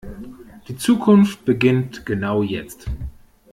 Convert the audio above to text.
Die Zukunft beginnt genau jetzt.